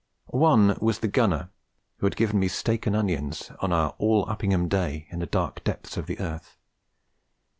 One was the Gunner who had given me steak and onions on our All Uppingham day in the dark depths of the earth.